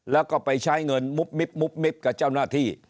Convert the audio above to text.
แล้วก็ไปใช้เงินมุบมิบกับเจ้าหน้าที่